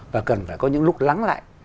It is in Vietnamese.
và cần phải có những lúc lắng lại